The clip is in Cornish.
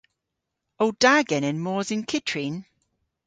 O da genen mos yn kyttrin?